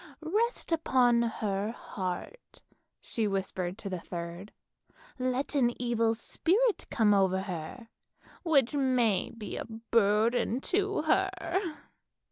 Rest upon her heart," she whispered to the third. " Let an evil spirit come over her, which may be a burden to her."